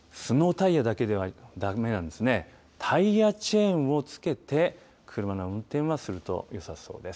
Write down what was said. タイヤチェーンを付けて、車の運転はするとよさそうです。